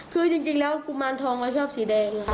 คือจริงแล้วกุมารทองเขาชอบสีแดงค่ะ